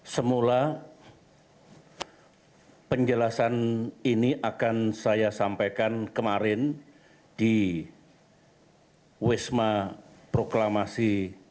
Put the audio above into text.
semula penjelasan ini akan saya sampaikan kemarin di wisma proklamasi empat puluh satu